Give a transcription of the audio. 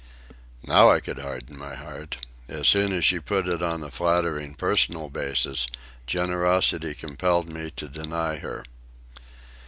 Now I could harden my heart. As soon as she put it on a flattering personal basis, generosity compelled me to deny her.